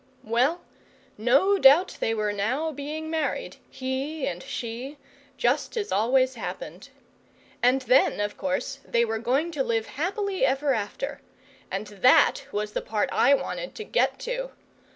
Well, no doubt they were now being married, He and She, just as always happened. And then, of course, they were going to live happily ever after; and THAT was the part I wanted to get to.